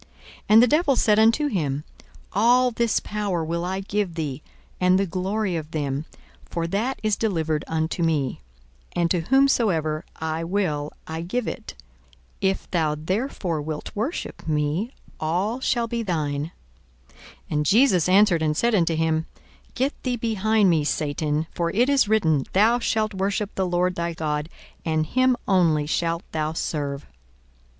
42:004:006 And the devil said unto him, All this power will I give thee, and the glory of them: for that is delivered unto me; and to whomsoever I will I give it. 42:004:007 If thou therefore wilt worship me, all shall be thine. 42:004:008 And Jesus answered and said unto him, Get thee behind me, Satan: for it is written, Thou shalt worship the Lord thy God, and him only shalt thou serve.